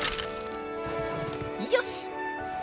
よし！